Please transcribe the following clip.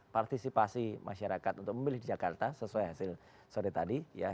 partisipasi masyarakat untuk memilih di jakarta sesuai hasil sore tadi ya